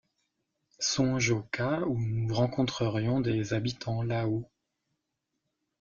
Songe au cas où nous rencontrerions des habitants là-haut.